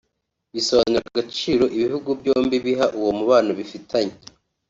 bisobanura agaciro ibihugu byombi biha uwo mubano bifitanye